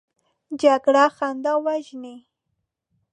جګړه خندا وژني